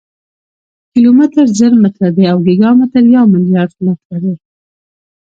کیلومتر زر متره دی او ګیګا متر یو ملیارډ متره دی.